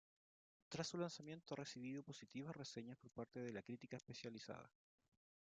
Tras su lanzamiento ha recibido positivas reseñas por parte de la crítica especializada.